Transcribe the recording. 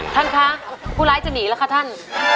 ท่านคะผู้ร้ายจะหนีแล้วคะท่าน